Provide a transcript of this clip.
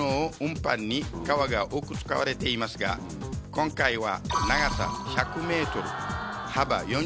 今回は。